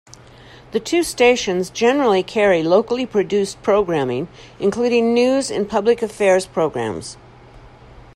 The two stations generally carry locally produced programming including news and public affairs programs.